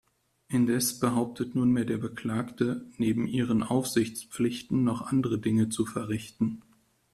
Indes behauptet nunmehr der Beklagte, neben ihren Aufsichtspflichten noch andere Dinge zu verrichten.